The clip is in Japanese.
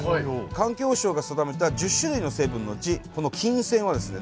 環境省が定めた１０種類の成分のうちこの金泉はですね